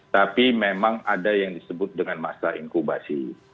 tapi memang ada yang disebut dengan masa inkubasi